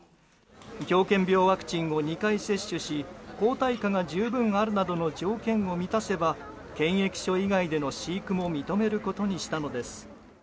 狂犬病ワクチンを２回接種し抗体価が十分あるなどの条件を満たせば検疫所以外での飼育も認めることにしたのです。